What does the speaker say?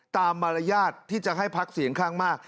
มารยาทที่จะให้พักเสียงข้างมาก